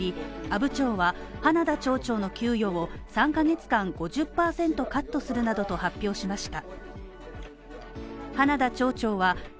阿武町は花田町長の給与を３ヶ月間５０％カットするなどと発表しました。